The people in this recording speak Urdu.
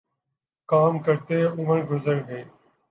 کام کرتے عمر گزر گئی